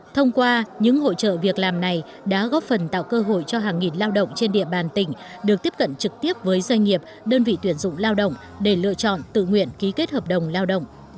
thông qua những hỗ trợ việc làm này đã góp phần tạo cơ hội cho hàng nghìn lao động trên địa bàn tỉnh được tiếp cận trực tiếp với doanh nghiệp đơn vị tuyển dụng lao động để lựa chọn tự nguyện ký kết hợp đồng lao động